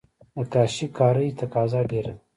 د کاشي کارۍ تقاضا ډیره ده